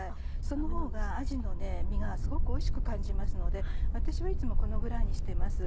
そのほうがあじの身がすごくおいしく感じますので私はいつもこのぐらいにしてます。